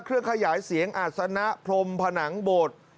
เครื่องขยายเสียงอาศนะพรมผนังโบสถ์